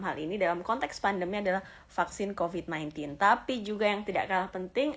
hal ini dalam konteks pandemi adalah vaksin covid sembilan belas tapi juga yang tidak kalah penting